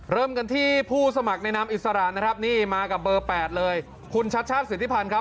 เริ่มกันที่ผู้สมัครในนามอิสระนะครับนี่มากับเบอร์๘เลยคุณชัชชาติสิทธิพันธ์ครับ